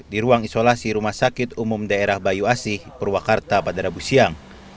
di ruang isolasi rumah sakit umum daerah bayu asih purwakarta pada rabu siang